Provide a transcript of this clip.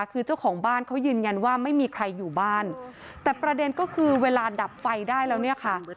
คือเจ้าของบ้านเขายืนยันว่าไม่มีใครอยู่บ้านแต่ประเด็นก็คือเวลาดับไฟได้แล้วเนี่ยค่ะ